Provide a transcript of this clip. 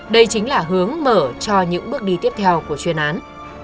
đây chính là hướng mở cho những bước đi tiếp theo của chuyên án